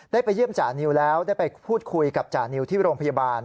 ไปเยี่ยมจ่านิวแล้วได้ไปพูดคุยกับจานิวที่โรงพยาบาล